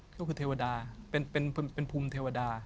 ก็คือเทวดาเป็นภูมิเทวดา